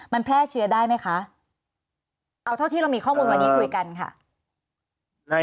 มันแพร่เชื้อได้ไหมคะเอาเท่าที่เรามีข้อมูลวันนี้คุยกันค่ะ